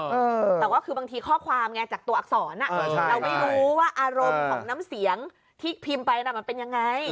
เออแต่ว่าคือบางทีข้อความไงจากตัวอักษรเราไม่รู้ว่าอารมณ์ของน้ำเสียงที่พิมพ์ไปน่ะมันเป็นยังไง